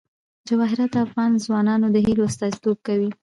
جواهرات د افغان ځوانانو د هیلو استازیتوب کوي.